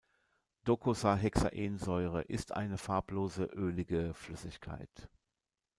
Docosahexaensäure ist eine farblose ölige Flüssigkeit.